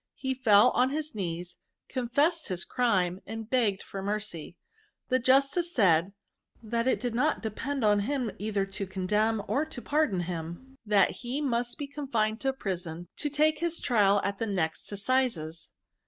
He fell on his knees, confessed his crime, and begged for mercy. The jus tice said, that it did not depend on him either to condemn or to pardon him ; that he must be confined in prison to take his trial at the next assizes.